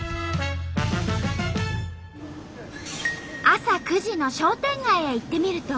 朝９時の商店街へ行ってみると。